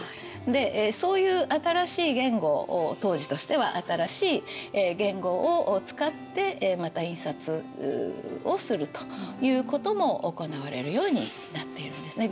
でそういう新しい言語を当時としては新しい言語を使ってまた印刷をするということも行われるようになっているんですね。